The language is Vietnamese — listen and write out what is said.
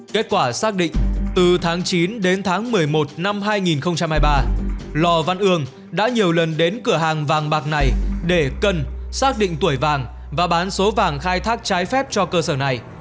kết quả xác định từ tháng chín đến tháng một mươi một năm hai nghìn hai mươi ba lò văn ương đã nhiều lần đến cửa hàng vàng bạc này để cần xác định tuổi vàng và bán số vàng khai thác trái phép cho cơ sở này